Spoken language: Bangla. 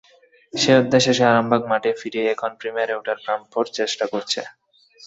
সেই অধ্যায় শেষে আরামবাগ মাঠে ফিরে এখন প্রিমিয়ারে ওঠার প্রাণপণ চেষ্টা করছে।